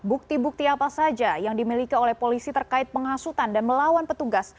bukti bukti apa saja yang dimiliki oleh polisi terkait penghasutan dan melawan petugas